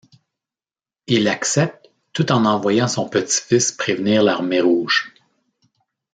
Il accepte, tout en envoyant son petit-fils prévenir l'Armée rouge.